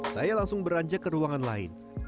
saya langsung beranjak ke ruangan lain